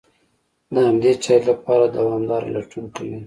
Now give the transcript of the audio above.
د همدې چارې لپاره دوامداره لټون کوي.